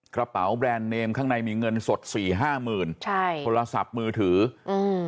กระเป๋าแบรนด์เนมข้างในมีเงินสดสี่ห้าหมื่นใช่โทรศัพท์มือถืออืม